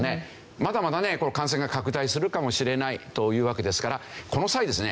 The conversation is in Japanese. まだまだねこの感染が拡大するかもしれないというわけですからこの際ですね